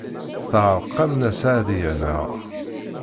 Teɛreq-am Nna Seɛdiya, naɣ?